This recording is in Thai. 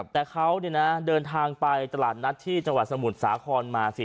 แต่เขาเดินทางไปตลาดนัดที่จังหวัดสมุทรสาครมาสิ